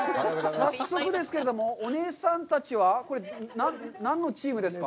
早速ですけれども、お姉さんたちはこれ何のチームですか？